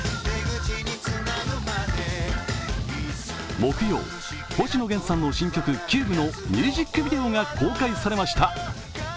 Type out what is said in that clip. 木曜、星野源さんの新曲「Ｃｕｂｅ」のミュージックビデオが公開されました。